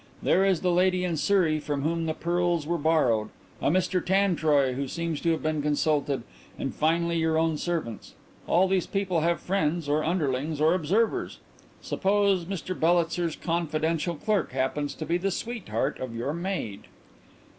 There is the lady in Surrey from whom the pearls were borrowed, a Mr Tantroy who seems to have been consulted, and, finally, your own servants. All these people have friends, or underlings, or observers. Suppose Mr Bellitzer's confidential clerk happens to be the sweetheart of your maid?"